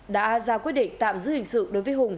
đã ra quyết định tạm giữ hình sự đối với hùng